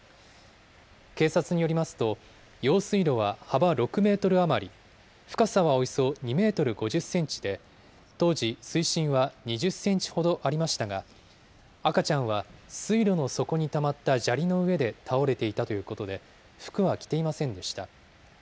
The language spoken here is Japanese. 警察によりますと、用水路は幅６メートル余り、深さはおよそ２メートル５０センチで、当時、水深は２０センチほどありましたが、赤ちゃんは水路の底にたまった砂利の上で倒れていたということで、服は着ていませんでした。